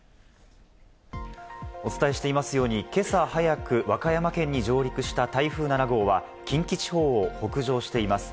お伝えしていますように、今朝早く、和歌山県に上陸した台風７号は、近畿地方を北上しています。